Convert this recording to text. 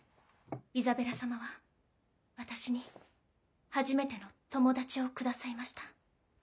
イザベラ様は私に初めての友達をくださいました。